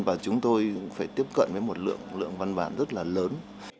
và chúng tôi phải tiếp cận với một lượng văn bản rất là lớn